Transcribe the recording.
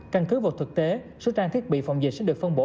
căn cứ vào thực tế số trang thiết bị phòng dịch sẽ được phân bổ